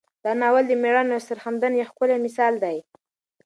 دا ناول د میړانې او سرښندنې یو ښکلی مثال دی.